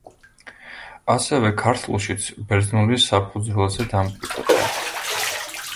ასევე, ქართულშიც ბერძნულის საფუძველზე დამკვიდრდა.